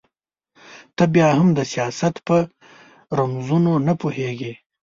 ته بيا هم د سياست په رموزو نه پوهېږې.